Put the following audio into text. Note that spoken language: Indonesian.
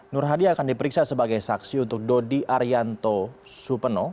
nur hadi akan diperiksa sebagai saksi untuk dodi arianto supeno